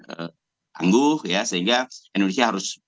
tangguh ya sehingga indonesia harus